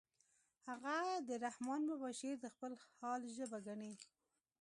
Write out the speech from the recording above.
هغه د رحمن بابا شعر د خپل حال ژبه ګڼي